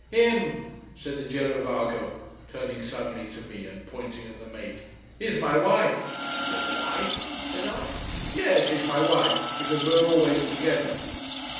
"Him!" said the girovago, turning suddenly to me and pointing at the mate. "He's my wife." "Your wife!" said I. "Yes. He's my wife, because we're always together."